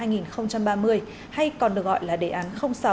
năm hai nghìn ba mươi hay còn được gọi là đề án sáu